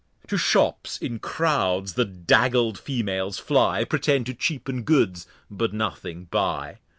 To Shops in Crouds the dagled Females fly, Pretend to cheapen Goods, but nothing buy.